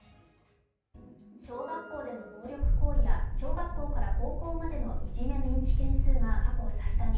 小学校での暴力行為や小学校から高校までのいじめ認知件数が過去最多に。